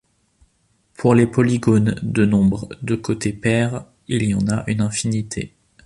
Pour les polygones de nombre de côtés pair, il y en a une infinité.